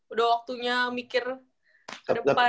udah waktunya mikir ke depan